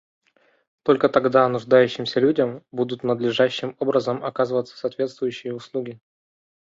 Только тогда нуждающимся людям будут надлежащим образом оказываться соответствующие услуги.